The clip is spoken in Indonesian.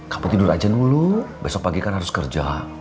kapan tidur aja dulu besok pagi kan harus kerja